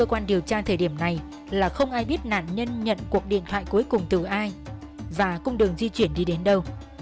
quan điều tra thời điểm này là không ai biết nạn nhân nhận cuộc điện thoại cuối cùng từ ai và cung đường di chuyển đi đến đâu